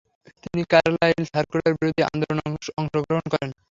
তিনি 'কার্লাইল সার্কুলার-বিরোধী আন্দোলনে অংশগ্রহণ করেন।